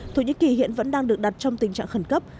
thổ nhĩ kỳ hiện vẫn đang được đặt trong tình trạng khẩn cấp